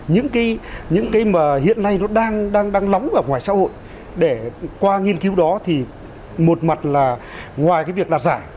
những cái mà hiện nay nó đang lóng ở ngoài xã hội để qua nghiên cứu đó thì một mặt là ngoài cái việc đạt giải